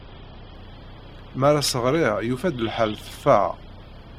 Mi as-ɣriɣ, yufa-d lḥal teffeɣ.